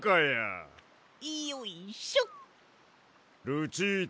ルチータ。